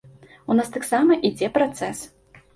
У нас таксама ідзе працэс.